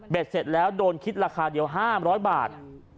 เสร็จแล้วโดนคิดราคาเดียว๕๐๐บาท